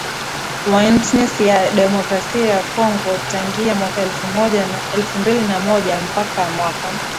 wa intsi ya demokrasia ya kongo tangiya mwaka elfu mbili na moja mpaka mwaka